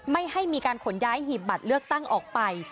ไม่ให้มีการขนย้ายหีบบัตรเลือกตั้งออกไป